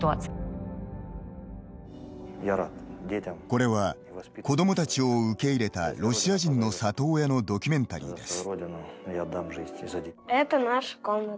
これは子どもたちを受け入れたロシア人の里親のドキュメンタリーです。